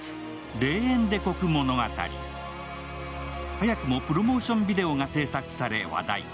早くもプロモーションビデオが制作され、話題。